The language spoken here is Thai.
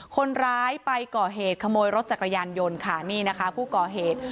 คนร้ายไปก่อเหตุขโมยรถจักรยานยนต์ค่ะนี่นะคะผู้ก่อเหตุ